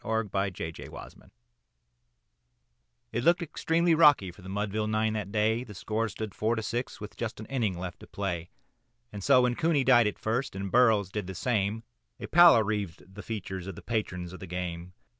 _ CASEY AT THE BAT It looked extremely rocky for the Mudville nine that day, The score stood four to six with but an inning left to play. And so, when Cooney died at first, and Burrows did the same, A pallor wreathed the features of the patrons of the game.